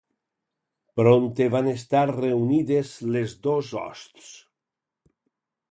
Prompte van estar reunides les dos hosts.